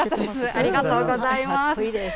ありがとうございます。